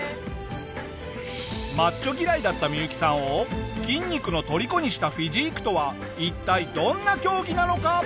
マッチョ嫌いだったミユキさんを筋肉の虜にしたフィジークとは一体どんな競技なのか？